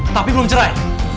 tapi belum cerai